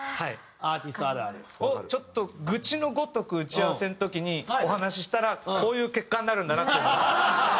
アーティストあるある。をちょっと愚痴のごとく打ち合わせの時にお話ししたらこういう結果になるんだなっていうのを。